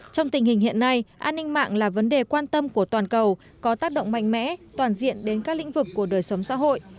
trong tình hình hiện nay an ninh mạng là vấn đề quan tâm của toàn cầu có tác động mạnh mẽ toàn diện đến các lĩnh vực của đời sống xã hội